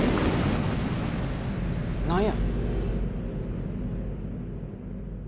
何や？